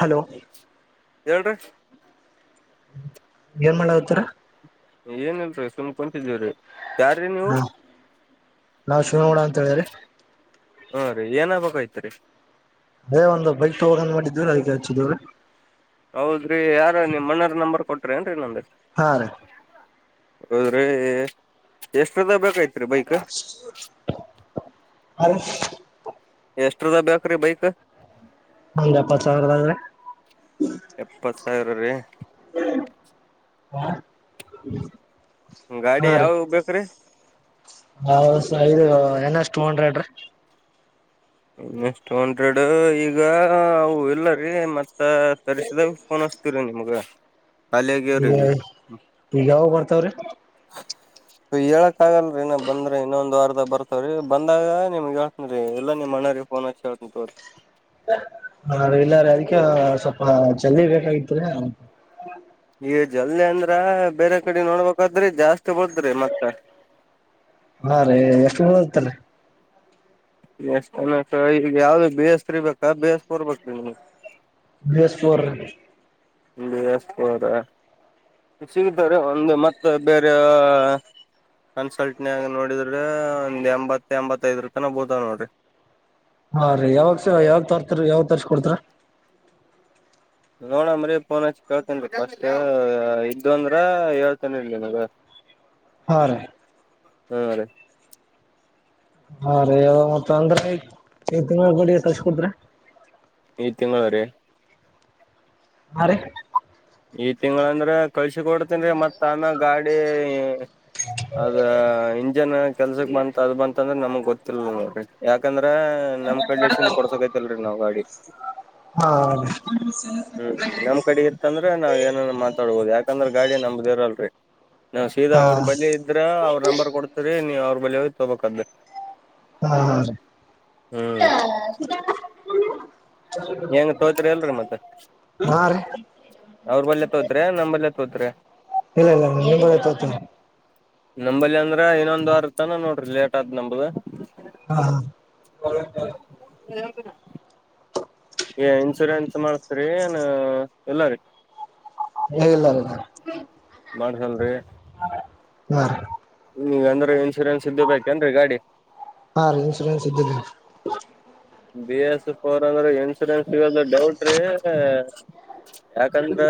Hello ಹೇಳ್ರಿ ಏನ್ ಮಾಡತೀರಿ ಏನಲ್ರರಿ ಸುಮ್ ಕುಂತಿದ್ದೀವ್ರೀ ಹಾ ನಾವ್ ಶಿವನಗೌಡ ಅಂತ ಹೇಳಿರಿ ಹ್ಮ ರಿ ಏನಾಗಬೇಕಾಗಿತ್ತು ರಿ ಅದೇ ಒಂದು ಬೈಕ್ ತಗೋಬೇಕು ಅಂತ ಮಾಡಿದ್ವಿ ಅದಕ್ಕ ಹಚ್ಚಿದ್ವಿರಿ ಹೌದ್ರಿ ಯಾರ ನಿಮ್ ಅಣ್ಣರ ನಂಬರ್ ಕೊಟ್ರಿ ಏನ್ರಿ ನಂದ ಹಾ ರೀ ಹೌದ್ರೀ ಎಸ್ಟರಾದಾಗ್ ಬೇಕಾಗೀತ್ ಹ [unintelligible] ಎಸ್ಟರ್ ದಾಗ್ ಬೇಕ್ರೀ ಬೈಕ್ ಒಂದ ಎಪ್ಪತ್ ಸಾವಿರದಾಗ ರಿ ಎಪ್ಪತ್ ಸಾವಿರ ರೀ [unintelligible] ಗಾಡಿ ಯಾವವ ಬೇಕ್ರೀ ಹ ಇದು ಏನ್ ಎಸ್ ಟೂಹಂಡ್ರೆಡ್ ರಿ. ಏನ್ ಎಸ್ ಟೂ ಹಂಡ್ರೆಡ್ ಈಗ ಅವು ಇಲ್ಲರಿ ಮತ್ತ ತರಸಿದಂಗ ಪೋನ್ ಹಚ್ತೇವ್ರಿ ನಿಮಗ ಖಾಲಿ ಈಗ ಅಗ್ಯವರಿ. ಈಗ ಯಾವಾಗ ಬರ್ತಾವ್ರಿ ಹೇಳಕ್ ಆಗಲ್ರಿ ಇನ್ನ ಬಂದ್ರ ಇನ್ನೊಂದ್ ವಾರದ ಬರ್ತಾವ್ರೀ ಬಂದಾಗ ನಿಮ್ಗ್ ಹೇಳ್ತನ್ರಿ ಎಲ್ಲ ನಿಮ್ಮ ಅಣ್ಣಾರಿಗೆ ಪೋನ್ ಹಚ್ಚಿ ಹೇಳ್ತಿನಿ ತಗೋರಿ. ಹಾ ಇಲ್ಲಾರಿ ಅದಕ್ಕೆ ಸ್ವಲ್ಪ ಜಲ್ದಿ ಬೇಕಾಗಿತ್ತರಿ. ಎ ಜಲ್ದಿ ಅಂದ್ರ ಬೇರೆ ಕಡೆ ನೋಡ್ಬೇಕಾಗತ್ತರಿ ಜಾಸ್ತಿ ಬರತ್ರಿ ಮತ್ತ. ಹಾ ರೀ ಎಷ್ಟು [unintelligible] ಎಷ್ಟ ಅನ್ನಕ ಈಗ ಯಾವ್ದು ಬಿ ಎಸ್ ಥ್ರೀ ಬೇಕಾ ಬೀ ಏಸ್ ಫೋರ್ ಬೇಕಾ ನಿಮಗ? ಬಿ ಎಸ್ ಫೋರ್ ರಿ. B S four. ಸಿಗ್ತಾವರಿ ಒಂದ ಮತ್ತ ಬೇರೆ ನಮ್ಮ ಸೈಟ್ ನ್ಯಾಗ ನೋಡಿದ್ರ ಒಂದ್ ಎಂಬತ್ ಎಂಬತ್ತೈದರತಾನ ಬಿಳತಾವ್ ನೋಡ್ರಿ. ಹಾ ರೀ ಯಾವಾಗ ಸಾರ್ ಯಾವಗ ತರ್ತರಿ ಯಾವಗ ತರಿಸಿ ಕೊಡ್ತೀರಾ. ನೋಡಾಮ್ರರಿ ಪೋನ್ ಹಚ್ಚಿ ಕೇಳ್ತೀನಿ ರಿ ಫಸ್ಟ್ ಇದ್ವು ಅಂದ್ರ ಹೇಳ್ತೀನಿ ನಿಮಗ. ಹಾ ರೀ. ಹ್ಮ ರೀ. ಹಾ ರೀ ಮತ್ತ ಅಂದ್ರ ಈ ತಿಂಗಳ [inaudible] ಈ ತಿಂಗಳರಿ. ಹಾ ರಿ. ಈ ತಿಂಗಳಂದ್ರ ಕಳ್ಸಿ ಕೊಡ್ತೇನ್ರಿ ಮತ್ತ ಆಮ್ಯಾಲ ಗಾಡಿ - ಅದ ಇಂಜಿನ್ ಕೆಲ್ಸಕ್ ಬಂತ ಅದ್ ಬಂತ ಅಂದ್ರೆ ನಮಗ್ ಗೊತ್ತಿಲ್ಲ ನೋಡ್ರಿ ಯಾಕಂದ್ರ ಹಾ ನಮ್ [inaudible] ಕೊಡ್ಸಾಕತ್ತಿಲ್ರಿ ನಾವ ಗಾಡಿ. ಹಾ ರಿ. ಅಂದ್ರ ನಾವ್ ಏನರ ಮಾತಾಡ್ಬಹುದು ಯಾಕಂದ್ರ ಗಾಡಿ ನಂಬ್ದ ಇರಲ್ಲರಿ. ನಾವು ಸೀದಾ ಅವ್ರ ಬಳಿ ಇದ್ರ ಅವ್ರ ನಂಬರ್ ಕೊಡ್ತೀವಿರಿ ನೀವ ಅವ್ರ ಬಳಿ ಹೋಗ ತೊಗೋಬೇಕ್. ಹ್ಮ ರೀ. ಹ್ಮ್ [unintelligible] ಹೆಂಗ ತೊಗೊತೀರಿ ಇಲ್ರಿ ಮತ್ತ ಹಾ ರೀ ಅವ್ರ ಬಲ್ಯ ತೊಗೊತೀರಿ ಏನ್ ನಮ ಬಲ್ಯ ತೊಗೊತೀರಾ. ಇಲ್ಲ ಇಲ್ಲ ನಿಮ್ಮ ಬಲ್ಯ ತೊಗೊತಿನಿ. ನಂಬಲ್ಲಿ ಅಂದ್ರ ಇನ್ನೊಂದ್ ವಾರತಾನ ನೋಡ್ರಿ ಲೇಟ್ ಆಗ್ತದ ನಮ್ದ. ಹಾ [unintelligible] ಏ ಇನ್ಸೂರೆನ್ಸ್ ಮಾಡಸ್ತರಿ ಏನ್ ಇಲ್ಲರಿ? ಇಲ್ಲ ಇಲ್ಲ ಹಾ ಮಾಡಸಲ್ರಿ. ರೀ ಈ ಅಂದ್ರೆ ಇನ್ಶೂರೆನ್ಸ್ ಇದ್ದ ಬೇಕೇನ್ರಿ ಗಾಡಿ. ಹಾ ರೀ ಇನ್ಸೂರೆನ್ಸ್ ಇದ್ದಿಲ್ಲರಿ. ಬಿ ಎಸ್ ಫೋರ್ ಅಂದ್ರ ಇನ್ಶೂರೆನ್ಸ್ ಇರೋದು ಡೌಟ್ ರೀ. ಯಾಕಂದ್ರ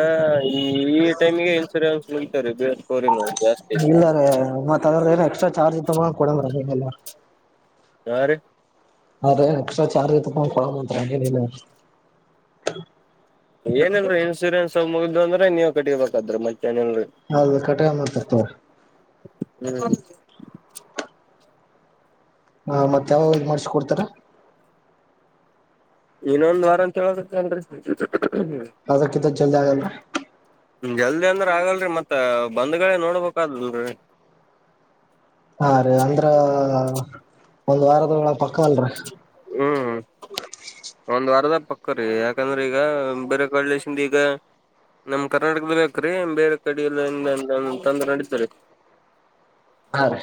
ಈ ಟೈಮಗೆ ಇನ್ಸೂರೆನ್ಸ್ ಮುಗಿತಾವ ರಿ ಬಿ ಎಸ್ ಫೋರ್ನು. ಇಲ್ಲಾರಿ ಮತ್ತ ಅದದ್ರ ಏನ್ ಎಕ್ಸ್ಟ್ರಾ ಚಾರ್ಜ್ ತಗೊಂಡ್ ಕೊಡಲ್ಲರಿ. [inaudible] ಹಾ ರಿ. ಅದೇ ಎಕ್ಸ್ಟ್ರಾ ಚಾರ್ಜ್ ತಕೊಂಡ್ ಕೊಡಲ್ಲ ಅಂತ್ರಿ ಹಂಗೆನ್ ಇಲ್ಲಅಲ್ರೀ. ಏನ್ ಏನ್ರಿ ಇನ್ಸೂರೆನ್ಸ್ ಮುಗ್ದು ಅಂದ್ರ ನೀವು ಕಟ್ಟಿಬೇಕಾಕತೈತಿ ಮತ್. ಹೌದ ಕಟ್ಟಿಕೋನ್ಮಮ ಅಂತ ತೊಗೋರಿ. ಹ್ಮ್. ಹಾ ಮತ್ ಯಾವ ಮಾಡ್ಸ ಕೊಡ್ತಾರ. ಇನ್ನೊಂದ್ ವಾರ ಅಂತ ಹೇಳುದ್ರು ಕಣ್ರೀ. ಹದ ಕತ್ತ ಜಲ್ದ ಆಗಲ್ಲ. ಜಲ್ದಿ ಅಂದ್ರ ಆಗಲ್ರರಿ ಮತ್ತ ಬಂದ್ಗಳೇ ನೋಡ್ಬೇಕಾದಲ್ರರಿ. [inaudible] ಹಾ ರೀ ಅಂದ್ರ ಒಂದ್ ವಾರ. ಹ್ಮ್ ಹ್ಮ್ ಒಂದ್ ವಾರದ್ ಪಕ್ಕ್ರೀ ಯಾಕಂದ್ರೆ ಈಗ ಬೇರೆ ಕಡ್ಸಿಂದ ಈಗ. ನಮ್ ಕರ್ನಾಟಕದ ಬೇಕ್ರೀ ಬೇರೆ ಕಡ ಎಲ್ಲ ಏನ್ ತಂದ್ರ ನಡೀತಾದೆ ಹಾ ರೀ.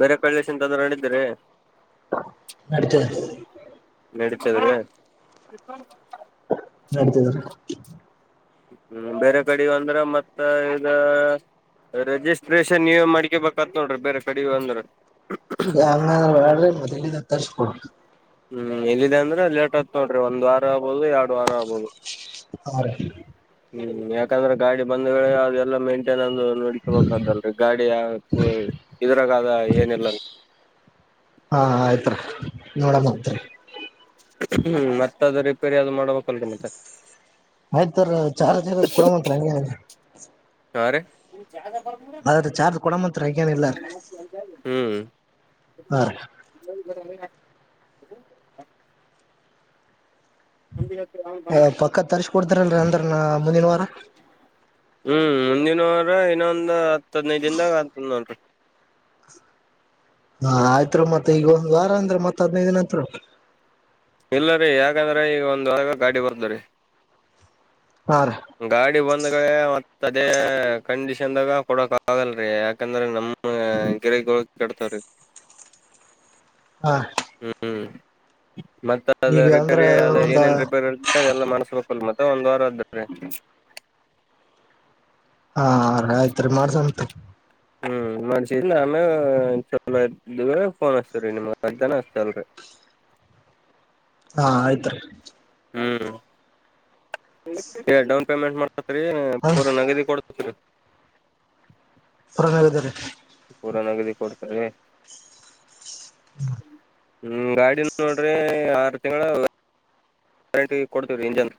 ಬೇರೆ ಕಳ್ಳೇಶನ್ ತಂದ್ರೆ ನಡೀತರಿ. ನಡಿತದೆ. ನಡೀತಾದ್ರಿ. ನಡೀತಾದ್. ಹ್ಮ್ ಬೇರೆ ಕಡೆ ಅಂದ್ರೆ ಮತ್ತ ಈಗ. ರಜಿಸ್ಟ್ರೇಷನ್ ನೀವೇ ಮಾಡ್ಕಬೇಕತ್ ನೋಡ್ರಿ ಬೇರೆ ಕಡೆ ಅಂದ್ರೆ. ಹಂಗಂದ್ರ ಬಡ್ರಿ ಮ್ ಇಡಿದ ತರ್ರಿಸಕೊಡ್ರಿ. ಹ್ಮ್ ಇಲ್ಲಿದೆ ಅಂದ್ರೆ ಲೇಟ್ ಆಗ್ತ್ ನೋಡ್ರಿ ಒಂದ್ ವಾರ ಆಗ್ಬಹುದು ಎರಡು ವಾರ ಆಗ್ಬೋದು. ಹಾ ರೆ. ಹ್ಮ್ ಯಾಕಂದ್ರೆ ಗಾಡಿ ಬಂದ ವೇಳೆ ಅದೆಲ್ಲ ಮೇಂಟೈನ್ಸಸ್ ಒಂದು ನೋಡ್ಕೋಬೇಕಲ್ರಿ ಗಾಡಿಯ ಈ ಇದ್ರಗಾದ ಏನಿಲ್ಲ ಹಾ ಆಯ್ತ್ರಿ ನೋಡಣತ್ರಿ. ಹ್ಮ್ ಮತ್ತ ಅದು ರಿಪೇರಿ ಯಾವ್ದ್ ಮಾಡಬೇಕಅಲ್ರಿ ಮತ್ತೆ. ಆಯ್ತರ ಚಾರ ಜನ ಕೊಡ ಮಂತ್ರೆ. [unintelligible] ಯಾರ [unintelligible] ಚಾರ್ಜ್ ಕೊಡಮತ್ರಿ ಹಂಗೇನಿಲ್ಲ ರೀ ಹ್ಮ್. ಹಾ ರೀ [unintelligible] ಅ ಪಕ್ಕದ ತರ್ಸ್ಕೊಡ್ದಾರಲ್ರ ಅಂದ್ರ ನ ಮುಂದಿನ ವಾರ. ಹ್ಮ್ ಮುಂದಿನ್ವಾರ ಇನ್ನೊಂದ್ ಹತ್ ಹದ್ನೈದ ದಿನದ ಆ ನೋಡ್ರಿ. ಹಾ ಆಯ್ತ್ ಮತ್ತತ್ ಈಗ ಒಂದ್ ವಾರ ಅಂದ್ರ ಮತ್ ಹದ್ನೈದಿನತ್. ಇಲ್ಲರರಿ ಯಾಕಂದ್ರೆ ಈಗ ಒಂದ್ಗ ಗಾಡಿ ಬರ್ದ್ರಿ. ಹಾ ರೀ ಗಾಡಿ ಬಂದ್ಗಡೇ ಮತ್ತ ಅದೇ ಕಂಡೀಷನ್ದಾಗ ಕೊಡೊಕಾಗಳ್ರಿ ಯಾಕಂದ್ರೆ ನಮ್ ಗಿರಿ ಕೆಡತಾರೀ. ಹ. [inaudible] ಹಾ. ಹ್ಮ್ ಮತ್ತ ಅದ ಈಗ ಅಂದ್ರ ರಿಪೇರ್ ಆ ಒಂದ ಏನೇನ್ ರಿಪೇರ್ ಎಲ್ಲ ಮನ್ಸ್ಬೇಕಲ್ ಮತ್ತೆ ಒಂದ್ ವಾರ ಆದದ್ರೀ. [inaudible] ಹಾ ಆಯ್ತ್ರಿ ಮಾಡ್ಸತ್ರಿ. ಮಾಡ್ಸಿದ ಆಮ್ಲೆ ಫೋನ್ ಹಚ್ತ್ರೀ ನಿಮ್ ಮಧ್ಯಾಹನ ಹತಲ್ರಿ. ಹಾ ಆಯ್ತ್ರಿ. ಹ್ಮ್ ಡೌನ್ ಪೇಮೆಂಟ್ ಮಾಡ್ತತ್ರಿ ಹಾ ಪೂರ ನಗದಿ ಕೊಡ್ [inaudible] [unintelligible] ಪೂರ ನಗದ ಕೊಡ್ತಿನಿ. [inaudible] ಹ್ಮ ಗಾಡಿನ ನೋಡ್ರಿ ಆರು ತಿಂಗಳ್ ಕರೆಂಟಿಗೆ ಕೊಡ್ತೀವಿ ರೀ ಇಂಜನ್.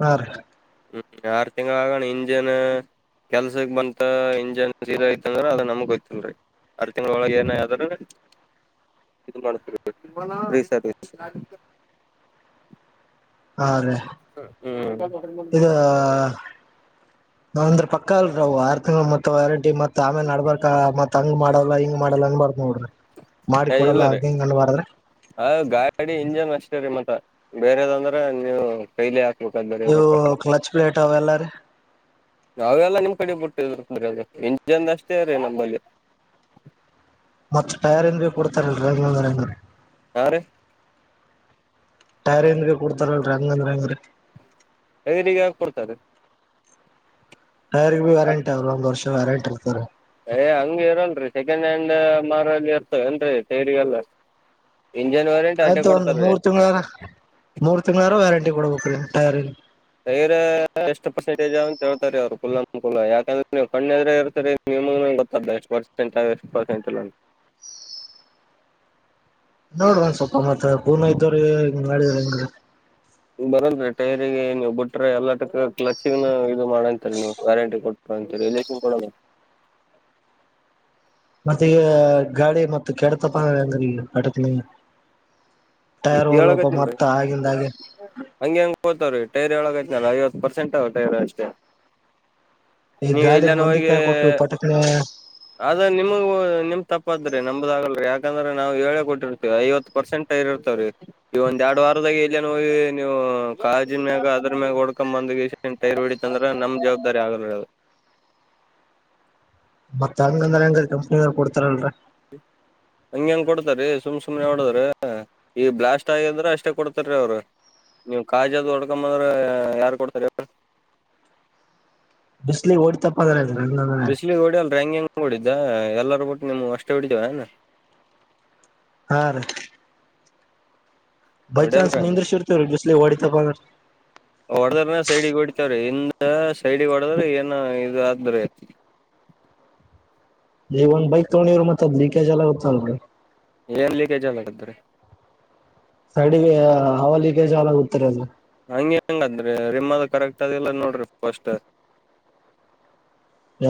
ಹಾ ರೀ. ಹ್ಮ್ ಆರ್ ತಿಂಗ ಆಗಣ ಇಂಜಿನ್. ಕೆಲ್ಸಕ್ ಬಂತ ಇಂಜನ್ ಸೀರಾ ಐತ್ ಅಂದ್ರ ಅದ ನಮಗೋಯ್ತಿಲ್ರರಿ. ಅರ್ ತಿಂಗಳ್ ಒಳಗೆ ಏನೇದ್ರೂನು ಇ ಮಾಡ ಹಾ ರ ಹ್ಮ ನಾವ ಅಂದ್ರ ಪಕ್ಕ ಅಲ್ರವು ಆರು ತಿಂಗಗಳು ಮತ್ತ ವಾರಂಟಿ ಮತ್ ಆಮೇಲೆ ನಡ್ಬಾರಕ ಮತ್ ಹಂಗ ಮಾಡಲ್ಲ ಹಿಂಗ ಮಾಡಲ್ಲ ಅನ್ ಬಾರತ್ ನೋಡ್ರಿ ಮಾಡಿ ಕೊಡಲ್ಲ ಇಲ್ಲರಿ ಹ ಹಗಣಬಾರದ್ರೆ ಗಾಡಿ ಇಂಜನ್ ಬೇರೆದಂದ್ರೆ ನೀವು ಕೈಲಿ ಹಾಕ್ತ ಇವು ಕ್ಲಚ್ ಪ್ಲೇಟ್ ಅವ ಎಲ್ಲಾರೀ ನಾವೆಲ್ಲ ನಿಮ್ ಕಡೆ ಬಿಟ್ಟಿದ್ರ ಇಂಜನ್ ಅಷ್ಟೇ ರೀ ನಮ್ಮಲ್ಲಿ ಲ್ ಯಾರೀ ಟೈರ್ ಿಂದಗೆ ಕೊಡ್ತಾರಲ್ರರಿ ಹಂಗಂದ್ರ ಹೆಂಗ್ರೀ ಎದುಗ ಆ ಕೊಡ್ತದೆ ಯರ್ ಬಿೀ ವಾರಂಟಿ ಅವಲ್ಲ ಒಂದ ವರ್ಷ ವಾರಂಟಿ ಇರ್ತಾರೆ ಯ ಹಂಗ ಇರನ್ರರಿ ಸೆಕೆಂಡ್ ಹ್ಯಾಂಡ್ ಮಾರಲ್ಲಿ ಇರ್ತ ಏನ್ರರಿ ತೈರಿಗೆಲ್ಲ ಆಯ್ತು ಒಂದು ಮೂರ್ ತಿಂಗಗಳಾರ ಮೂರ್ ತಿಂಗಗಳಾರ ವ್ಯಾರಂಟಿ ಕೊಡ್ಬೇಕ್ರೀ ಟೈರಿ ತೈರ ಎಷ್ಟು ಪರ್ಸೆಂಟಜ್ ಅಂತ ಹೇಳ್ತಾರೆ ಅವ್ರು ಕುಲ್ ಅನುಕೂಲ ಯಾಕಂದ್ರೆ ನೀವು ಕಣ್ಣೆ್ರೆ ಇರ್ತ ನಿ ಗೊತ್ತ ಎಷ್ಟ ಪರ್ಸೆಂಟ್ ಎಷ್ಟು ಪರ್ಸೆಂಟ್ [unintelligible] ನೋಡವಂದ ಸ್ವಲ್ಪ ಮತ್ತ ಪೂರ್ನ ಇದ್ದವ್ರ ಹಂಗ್ ಮಾಡಿದ್ರ ಹೆಂಗ ಬರಂರಿ ಟೈರಿಗೆ ನೀವು ಬಿಟ್ರೆ ಎಲ್ಲಾ ಟ್ಲಚ್ಿೂ ಇದು ಮಾಡಂತರಿ ನೀವು ಗ್ಯಾರಂಟಿ ಕೊಟ್ಟ ಹರಿ ಎಲನ್ ಕೊಡ [unintelligible] ಮತ್ತ ಈಗ ಗಾಡಿ ಮತ್ತ ಕೆಡತಪ ಅಂಗ್ರೀ ಈಗ ಆಟಕ್ನ ಈ ಹೇಳಕತಿಲ್ೀ ಹಂಗೆ ಹಂಗ ಕೋತಾವ ರೇ ಟೈ್ರೊಳಗೈಐತೆನಾನ ಐವತ್ತು ಪರ್ಸೆಂಟ್ ಟೈರ್ ಅಷ್ಟೆ ಈ ನೀವು ಗಾಡಿ ಎಲ್ಲನ ಮಂದಿ ಹೋಗಿ ಕಾಯ ಕೊಟ್ಟು ಪಟಕ್ನೆ ಆದ ನಿಮಗ ನಿಮ ತಪ್ಪದ್ರಿ ನಮ್ದ ಆಾಗಲ್ರಿ ಯಾಕಂದ್ರೆ ನಾವು ಹೇಳಿ ಕೊಟ್ಟಿರ್ತೀ ಐವ ಪರ್ಸೆಂಟ್ ಇರುತ್ತೆ ೀ ಈ ಒಂದ್ ಎರಡು ವಾರದಾಗ ಎಲ್ಲ ನೋಗಿ ನೀವು ಕಾಜಿನನ್ ಮ್ಯಾಗ ಅದ್ರ ಮ್ಯಾಗ ಹೊಡ್ಕೊಂಡ್ ಬಂದ ೈರ್ ಹಡಿತ ಅಂದ್ರ ನಮ್ ಜವಾಬ್ದಾರಿ ಆಗ ಅದು ಮತ್ತ ಹಂಗಂದ್ರ ಹೆಂಗ ಕಂಪನಿ ಕೊಡ್ತಾರಲ್ರ ಹ್ಮ ಹಂಗಗೆ ಹೆಂಗ ಕೊಡ್ತಾರೀ ಸುಮ್ ಸುಮ್ನೆ ನೋಡದ್ರ ಈ ಬ್ಲಾಸ್ಟ್ ಆಗಿದ್ರ ಅಷ್ಟೇ ಕೊಡ್ತಾರೀ ಅವ್ರು ನೀವ್ ಕಾಜದ ಹೊಡ್ಕಂದ್ರ ಯಾರ್ು ಕೊಡ್ತಾರೆವ ಬಿಸಲಿ ಓಡಿತಪ್ಪದ ಬಿಸ್ಲಿಗೆ ಓಡಿ ಅಲ್ ರ್ಯಾಂಗಿಂಗ್ಡಿದ್ದ ಇದ ಎಲ್ಲಾರ ಬಿಟ್ಟು ನಿಮ ಅಷ್ಟೇ ಹಡಿದೇವ ಹಾ ರೀ ಬೈ ಚಾನ್ಸ್ ಹೊಡಲ್ರ ನಿಂದ್ರಸಿರ್ತೇವ್ರೀ ಬಿಸ್ಲಿಗ್ ಹೊಡಿತಪ್ಪ ಅಂದ್ರ ಹೊಡದ್ರ ಸೈಡಿಗೆ ಹೊಡಿತ ಹಿಂದ ಸೈಡಿಗೆ ಹೊಡದ್ರೆ ಏನು ಇದು ಆದ್ರೆ ಈ ಒಂದ ಬೈಕ್ ತಗೊಂಡಿವ್ರರು ಮತ್ತತ್ದ್ ಲೀಕೇಜ್ ಎಲ್ಲ ಗೊತ್ತಲ್ರರಿ ಎರ್ಲಿಕ್ಕೆ ಜಲ್ಲ ಆಡತ್ರ ಸಡಿಗೆ ಹವ ಲೀಿಕೇಜ್ ಹಳ ಗತ್ತರ ಅದು ಹಂಗ ಹೆಂಗಂದ್ರಿ ರಿಮಲ್ ಕರೆಕ್ಟ್ ಅದಿಲ್ಲ ನೋಡ್ರಿ ಫಸ್ಟ್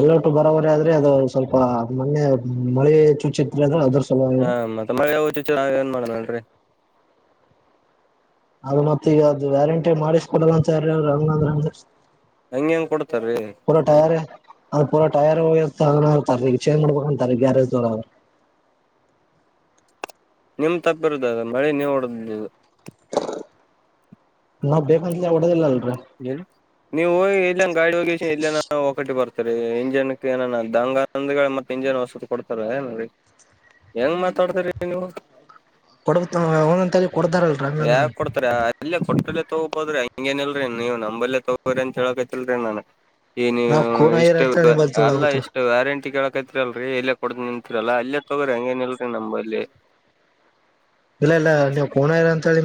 ಎಲ್ಲಟ್ಟು ಬರೋಬರಿ ಆದ್ರೆ ಅದು ಸ್ವಲ್ಪ ಮೊನ್ನೆ ಮಳೆ ಚುಚ್ಚಿತ್ ಅ್ರೆ ಅದ್ರ ಸಲುವಾಗಿ ಹಾ ಮತ್ತೆ ಮಳೆ ಯಾವಚು ಚ ಏನ್ ಮಾಡೋಣ ನನ್ರಿ ಅದ ಮತ್ತ ಈಗ ಅದದು ವ್ಯಾರಂಟಿ ಮಾಡಿಸ್ ಕೊಡಲ್ಲ ಅಂತ ಯಾರ ಅವರು ಹಂಗ್ರಂಗ ಹಂಗ ಹೆಂಗ್ ಕೊಡ್ತಾರೀ ಪೂರ ಟಾಯರ್ ಪೂರ ಟಾಯರ್ ತತಾರೆ ಚೇನ್ ಮಾಡ್ಬೇಕಂತಾರೆ ಗ್ಯಾರೇಜ್ ತ ಅವ ನಿಮ್ ತಪ್ಪಿರುದ ಅದ ಮಳೆ ನೀವು ಉಡು ನಾ ಬೇೇಕ ಒಲ್ಲ ಹೇಳ ನೀವು ಹ ಇಲ್ಲ ಗಾಡಿ ಹೋಗಿ ಇಲ್ಲ ಒಕಟಿ ಬರ್ತಾರೆ ಇಂಜನ್ಕ್ ಏನ ದಂಗಂದ ಮೆ ಇಂಜನ್ ಹೊಸದ ಕೊಡ್ತ ಏನ್ೋರಿ ಹೆಂಗ ಮಾತಾಡ್ತ್ರರಿ ನೀವು ಕೊಡ ಒಂದೊಂದ. ಯಾಕ ಕೊಡ್ತಾರೆ ಅಲ್ಲೇ ಕೊಟ್ರಲ್ಲೇ ತಗೋಬೋದ್ರೆ ಹಿಂಗೇನಲ್ರಿ ನೀವು ನಂಬಲ್ಲೇ ತಗೋ್ರಿ ಅಂತ ಹೇಳಕತಿಲ್ರಿೀ ನನ್ಗೆ ಏ ನೀ ನಾವ್ ಕೋನಯ್ಯರ್ ಇಷ್ಟು ಅಂತೇಳಿ ನಿಂಬಲ್ ಅಲ್ಲ ತೊಳಗುತ್ತ ಇಷ್ಟು ವ್ಯಾರಂಟಿ ಕೇಳಕೈತ್ರಿ ಅಲ್ರರಿ ಎಲ್ಲಿ ಕೊಡ್ದ ನಿಂತೀರಲ್ಲ ಅಲ್ಲೇ ತಗೋ್ರಿ ಹಂಗೇನ್ ಇಲ್ರಿ ನಂಬಲ್ಲಿ ಇಲ್ಲ ಇಲ್ಲ ನೀವು ಕೋನ ಇರ ಅಂತ ಹೇಳಿ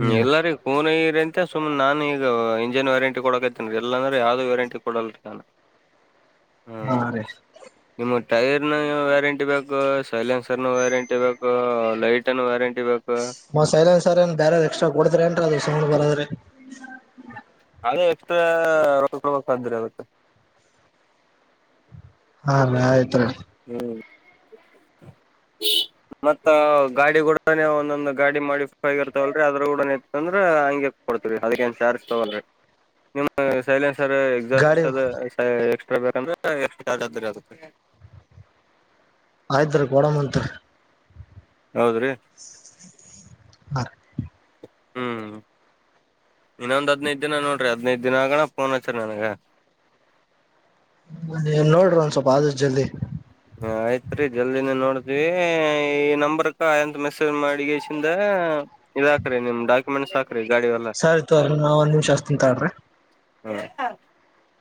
ಹ್ಮ ಎಲ್ಲಾರಿ ಕೂನ ಇರಿ ಅಂತ ಸುಮ್ನೆ ನಾನುೀಗ ಇಂಜಿನ್ ವ್ಯಾರಂಟಿ ಕೊಡಕ ಇದತೇನ್ೀ ಎಲ್ಲಾಂದ್ರೆ ಯಾವ್ದು ವ್ಯಾರಂಟಿ ಕೊಡಲ್ರಿ ನಾನು ಹಾ ಹ್ಮ್ ರೀ ನಿಮ್ಮ ಟೈರ್ ನ ವ್ಯಾರಂಟಿ ಬೇಕು ಸೈಲೆನ್ಸರ್ ನ ವ್ಯಾರಂಟಿ ಬೇಕು ಲೈಟ್ ಅ ವ್ಯಾರಂಟಿ ಬೇಕು ಮ್ ಸೈಲೆನ್ಸ್ ಸರ್ ನ್ ಬೇರೆ ಎಕ್ಸ್ಟ್ರಾ ಕೊಡದ್ರ ಏನ್ರ ಅದ ಸುಮ್ ಬರದ್ರಿ ಅದೇ ಎಕ್ಸ್ಟ್ರಾ ರೋಗೋಗಕ್ ಸಾಧ್ಯ್ರ ಅದಕ್ಕೆ ಹಾ ಆಯ್ತ್ರಿ ಹ್ಮ್ ಮತ್ತ ಗಾಡಿ ಕೂಡನೇ ಒಂದೊಂದು್ ಗಾಡಿ ಮಾಡಿಫ ಆಗ ಇರ್ತವಲ್ರಿ ಅದ್ರ ಕೂಡನ ಇತ್ತ ಅಂದ್ರ ಹಗೆ ಕೊಡ್ತರಿ ಅದಕ್ಕೆ ನ್ ಸ್ಯಾರ್ ತೊಗೋಲ್ರಿ ನಿಮ ಸೈಲೆನ್ಸ್ ಸರ್ ಗಾಡಿ ಎಕ್ಸಾಸ್ಟ್ ಎಕ್ಸ್ಟ್ರಾ ಬೇಕಂದ್ರೆ ಎಕ್ಸ್ಟ್ರಾ ಚಾರ್ಜ್ ಅ್ರ ಅದಕ್ಕೆ ಆಯ್ತ್್ರ ಕೊೋಡಮ್ಮತ್ರಿ ಹೌದ್ರಿ ಹಾ ಹ ಹ್ಮ್ ಇನ್ನೊಂದ್ ಹದ್ನೈದ ದಿನ ನೋಡ್ರಿ ಹದ್ನೈದ ದಿನ ಆಗಣ ಫೋನ್ ಹಚ್ಚರಿ ನನ್ಗ ಹ ನೋಡ್ರಿ ಒಂದ್ ಸ್ವಲ್ಪ ಆದ್ ಜಲ್ದಿ ಹ ಆಯ್ತ್ ರೀ ಜಲ್ದಿನ ನೋಡ್ತಿೀವಿ ಈ ನಂಬರ್ಕ್ಕ ಎಂತ ಮೆಸೇಜ್ ಮಾಡಿಿಗೆ ಶಿಂದ ಹ ಇದ ಹಾಕರಿ ನಿಮ ಡಾಕ್ಯುೆಟ್ ಹಾಕರಿ ಸರಿ ತು ನಾವ್ ಒಂದ್ ನಿಮಿಷ ಅ ತಿಂತಾರ್ರಿ ಹ